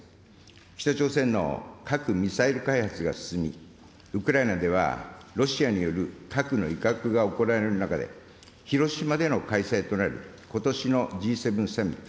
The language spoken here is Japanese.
北朝鮮の核・ミサイル開発が進み、ウクライナでは、ロシアによる核の威嚇が行われる中で、広島での開催となることしのＧ７サミット。